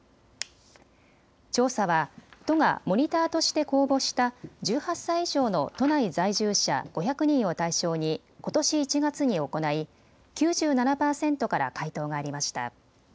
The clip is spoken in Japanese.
調査は都がモニターとして公募した１８歳以上の都内在住者５００人を対象にことし１月に行い９７％から回答がありました。